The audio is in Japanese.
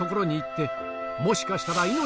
「もしかしたら」